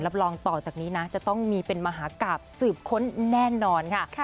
รองต่อจากนี้นะจะต้องมีเป็นมหากราบสืบค้นแน่นอนค่ะ